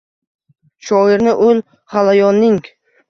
Shoirni ul g’alayonning